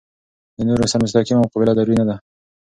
د نورو سره مستقیمه مقابله ضروري نه ده.